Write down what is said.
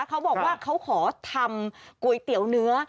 เขาบอกว่าเขาขอทำก๋วยเตี๋ยวเนื้อ